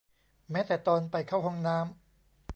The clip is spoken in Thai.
แม้แต่ตอนไปเข้าห้องน้ำ